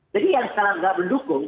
jadi yang sekarang nggak mendukung